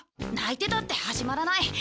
泣いてたって始まらない。